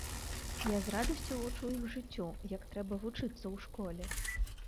Я з радасцю вучу іх жыццю, як трэба вучыцца ў школе.